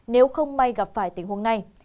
nếu không may gặp phải tình huống này